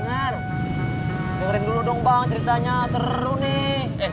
voting dong bang ceritanya seru nih